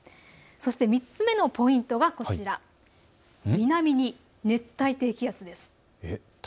３つ目のポイントはこちら、南に熱帯低気圧です。